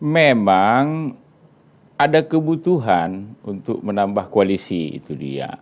memang ada kebutuhan untuk menambah koalisi itu dia